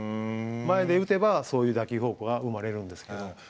前で打てばそういう打球方向が生まれるんですけど。